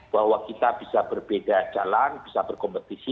bahwa kita bisa berbeda jalan bisa berkompetisi